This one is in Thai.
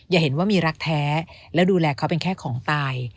อย่าเห็นว่ามีรักแท้แล้วดูแลเขาเป็นแค่ของตาย